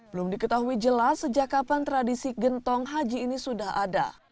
belum diketahui jelas sejak kapan tradisi gentong haji ini sudah ada